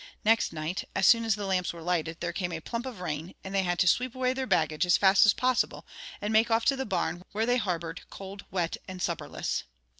Next night, as soon as the lamps were lighted, there came a plump of rain, and they had to sweep away their baggage as fast as possible, and make off to the barn where they harboured, cold, wet, and supperless.